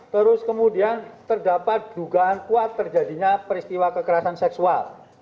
terus kemudian terdapat dugaan kuat terjadinya peristiwa kekerasan seksual